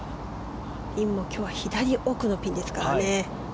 ピンも今日は左奥のピンですから。